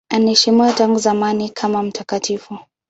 Anaheshimiwa tangu zamani kama mtakatifu.